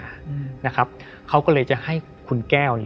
เขาก็เลยอาจจะอยากจะคิดวิธีเพื่อที่จะให้คุณเคเขามีปัญหา